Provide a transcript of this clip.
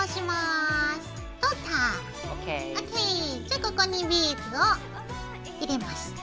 じゃあここにビーズを入れます。